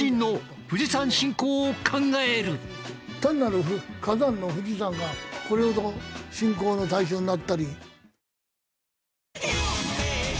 単なる火山の富士山がこれほど信仰の対象になったり。